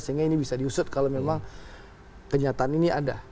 sehingga ini bisa diusut kalau memang kenyataan ini ada